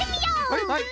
はいはい！